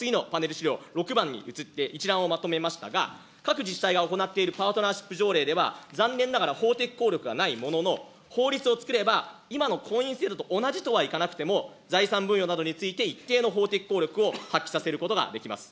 資料６番に移って、一覧をまとめましたが、各自治体が行っているパートナーシップ条例では、残念ながら法的効力がないものの、法律を作れば、今の婚姻制度と同じとはいかなくても、財産分与などについて一定の法的効力を発揮させることができます。